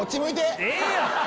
ええやん！